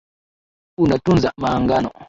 Unatunza maagano